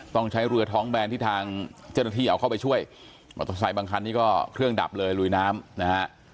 ต้องใช้เรือท้องแบนที่ทางเจ้าหน้าที่เอาเข้าไปช่วยมอเตอร์ไซค์บางคันนี้ก็เครื่องดับเลยลุยน้ำนะฮะ